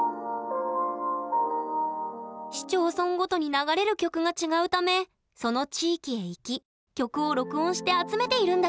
市町村ごとに流れる曲が違うためその地域へ行き曲を録音して集めているんだって。